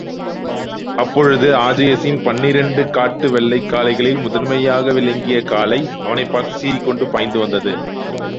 அப்பொழுது ஆஜயஸின் பன்னிரண்டு காட்டு வெள்ளைக் காளைகளில் முதன்மையாக விளங்கிய காளை அவனைப் பார்த்துச் சீறிக்கொண்டு பாய்ந்து வந்தது.